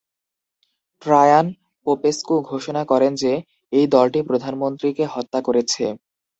ট্রায়ান Popescu ঘোষণা করেন যে, এই দলটি প্রধানমন্ত্রীকে হত্যা করেছে।